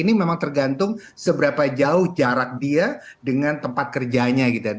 ini memang tergantung seberapa jauh jarak dia dengan tempat kerjanya gitu